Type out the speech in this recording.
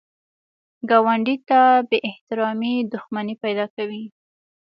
ګاونډي ته بې احترامي دښمني پیدا کوي